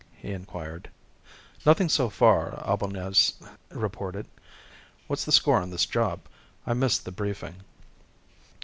he inquired. "Nothing so far," Albañez reported. "What's the score on this job? I missed the briefing."